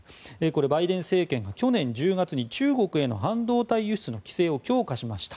バイデン政権が去年１０月に中国への半導体輸出の規制を強化しました。